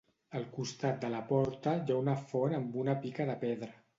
Al costat de la porta, hi ha una font amb una pica de pedra.